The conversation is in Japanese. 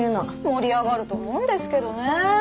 盛り上がると思うんですけどね。